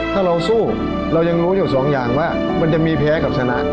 ถ้าเราสู้เรายังรู้อยู่สองอย่างว่ามันจะมีแพ้กับชนะ